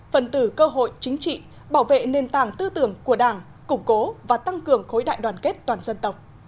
phần từ cơ hội chính trị bảo vệ nền tảng tư tưởng của đảng củng cố và tăng cường khối đại đoàn kết toàn dân tộc